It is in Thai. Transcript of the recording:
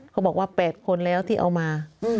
เขาบอกว่า๘คนแล้วที่เอามา